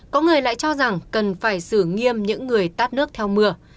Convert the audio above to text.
có người lại cho rằng cần phải xử nghiêm những người tát nước theo mưa